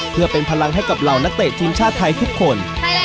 เพื่อเป็นพลังให้กับเหล่านักเตะทีมชาติไทยทุกคน